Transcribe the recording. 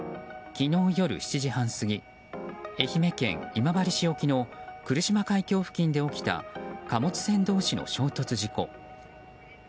昨日夜７時半過ぎ愛媛県今治市沖の来島海峡付近で起きた貨物船同士の衝突事故。